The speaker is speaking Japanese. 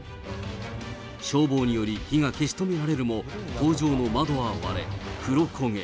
消防により、火が消し止められるも、工場の窓は割れ、黒焦げ。